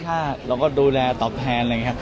สาลิกใจเย็น